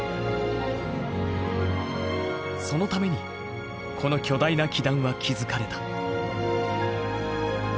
そのためにこの巨大な基壇は築かれた。